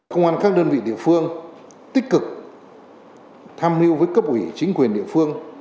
công an các đơn vị địa phương tích cực tham mưu với cấp ủy chính quyền địa phương